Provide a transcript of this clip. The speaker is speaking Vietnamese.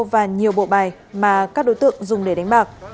và nhiều bộ bài mà các đối tượng dùng để đánh bạc